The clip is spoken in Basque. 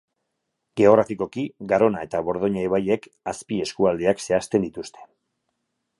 Geografikoki, Garona eta Dordoina ibaiek azpieskualdeak zehazten dituzte.